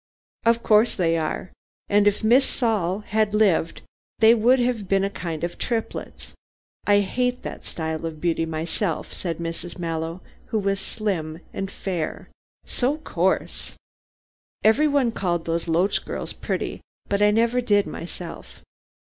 "Of course they are, and if Miss Saul had lived they would have been a kind of triplets. I hate that style of beauty myself," said Mrs. Mallow, who was slim and fair, "so coarse. Everyone called those Loach girls pretty, but I never did myself.